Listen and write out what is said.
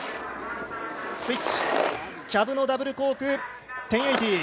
スイッチ、キャブのダブルコーク１０８０